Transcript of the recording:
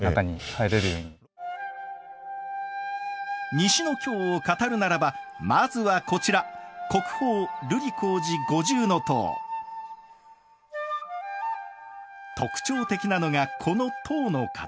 西の京を語るならばまずはこちら特徴的なのがこの塔の形！